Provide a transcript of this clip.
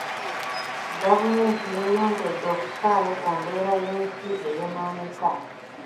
Gavumenti yeeyongedde okufaayo ku mbeera y'ensi eyonooneka.